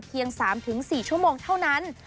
๓๔ชั่วโมงเท่านั้น